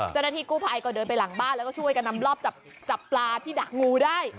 เจ้าหน้าที่กู้ภัยก็เดินไปหลังบ้านแล้วก็ช่วยกันนำรอบจับปลาที่ดักงูได้